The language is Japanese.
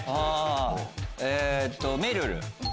えっとめるる。